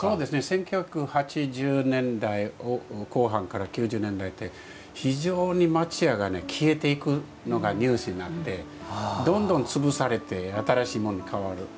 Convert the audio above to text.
１９８０年代後半から９０年代って非常に町家が消えていくのがニュースになってどんどんつぶされて新しいものに変わる。